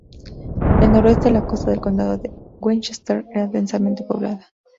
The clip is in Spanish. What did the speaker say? Al noroeste la costa del condado de Westchester está densamente poblada.